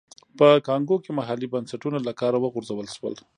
په کانګو کې محلي بنسټونه له کاره وغورځول شول.